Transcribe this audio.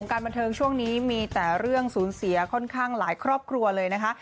การบันเทิงช่วงนี้มีแต่เรื่องสูญเสียค่อนข้างหลายครอบครัวเลยนะคะ